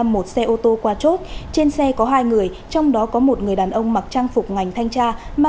một xe ô tô qua chốt trên xe có hai người trong đó có một người đàn ông mặc trang phục ngành thanh tra